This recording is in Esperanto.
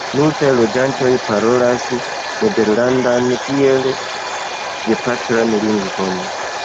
Multaj loĝantoj parolas la nederlandan kiel gepatran lingvon.